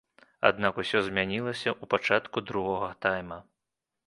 Аднак усё змянілася ў пачатку другога тайма.